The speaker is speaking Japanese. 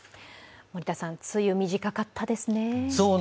森田さん、梅雨、短かったですね。